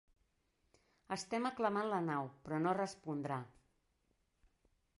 Estem aclamant la nau, però no respondrà.